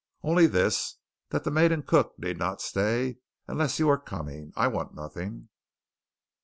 "Only this: that the maid and cook need not stay unless you are coming. I want nothing."